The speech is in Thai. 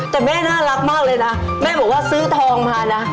แต่แม่น่ารักมากเลยนะแม่บอกว่าซื้อทองมานะ